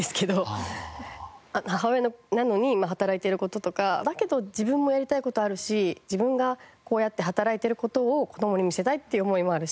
母親なのに働いている事とかだけど自分もやりたい事あるし自分がこうやって働いてる事を子どもに見せたいっていう思いもあるし。